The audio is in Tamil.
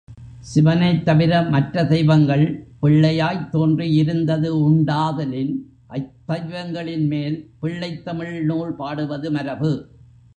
சிவனைத் தவிர மற்ற தெய்வங்கள் பிள்ளையாய்த் தோன்றியிருந்தது உண்டாதலின், அத்தெய்வங்களின் மேல் பிள்ளைத் தமிழ் நூல் பாடுவது மரபு.